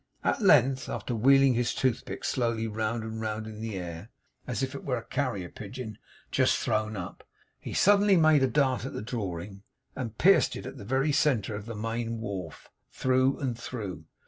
At length, after wheeling his toothpick slowly round and round in the air, as if it were a carrier pigeon just thrown up, he suddenly made a dart at the drawing, and pierced the very centre of the main wharf, through and through.